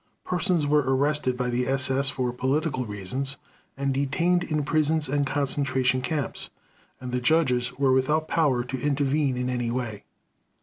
Persons were arrested by the SS for political reasons, and detained in prisons and concentration camps; and the judges were without power to intervene in any way.